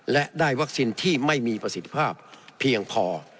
และได้วัคซีนที่ไม่มีประสิทธิภาพเพียงพอ